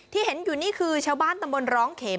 ที่เห็นอยู่นี่คือชาวบ้านตำบลร้องเข็ม